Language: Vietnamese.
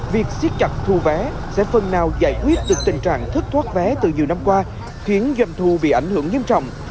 việc siết chặt thu vé sẽ phần nào giải quyết được tình trạng thất thoát vé từ nhiều năm qua khiến doanh thu bị ảnh hưởng nghiêm trọng